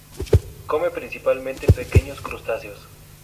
Come principalmente pequeños crustáceos.